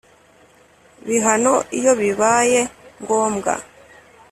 bihano iyo bibaye ngombwa